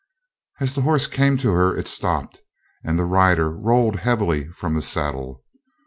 As the horse came to her it stopped, and the rider rolled heavily from the saddle.